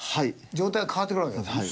状態が変わってくるわけですね。